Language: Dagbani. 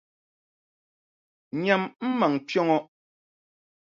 Nyami a maŋa kpe ŋɔ.